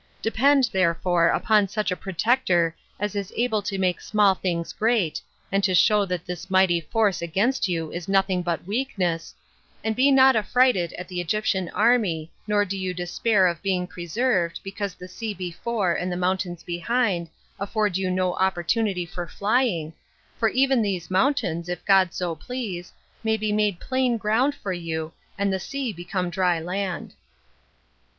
Depend, therefore, upon such a Protector as is able to make small things great, and to show that this mighty force against you is nothing but weakness, and be not affrighted at the Egyptian army, nor do you despair of being preserved, because the sea before, and the mountains behind, afford you no opportunity for flying, for even these mountains, if God so please, may be made plain ground for you, and the sea become dry land."